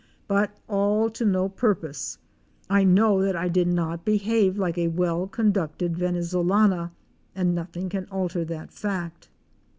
But all to no pur pose. I know that I did not behave like a well conducted Venezolana, and nothing can alter that fact.